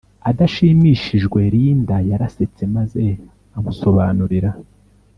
Adashimishijwe linda yarasetse maze amusobanurira